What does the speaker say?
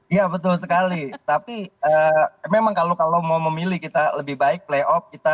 iya betul sekali tapi memang kalau mau memilih kita lebih baik playoff